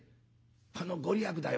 この御利益だよ。